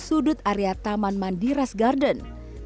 dan di sini kita bisa melihat area taman mandiras garden